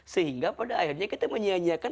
sehingga pada akhirnya kita menyia nyiakan